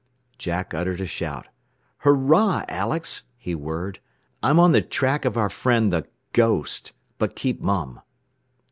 Jack uttered a shout. "Hurrah, Alex," he whirred, "I'm on the track of our friend the 'ghost.' But keep mum.